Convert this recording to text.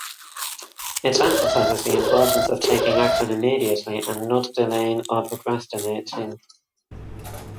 It emphasizes the importance of taking action immediately and not delaying or procrastinating.